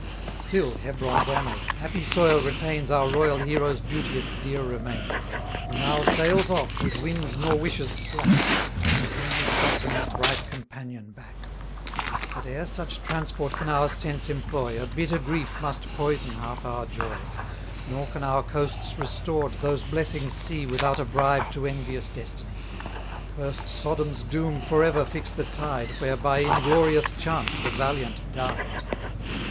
Still Hebron's honour'd, happy soil retains Our royal hero's beauteous, dear remains; Who now sails off with winds nor wishes slack, To bring his sufferings' bright companion back. But e'er such transport can our sense employ, A bitter grief must poison half our joy; 1070 Nor can our coasts restored those blessings see Without a bribe to envious destiny! Cursed Sodom's doom for ever fix the tide Where by inglorious chance the valiant died!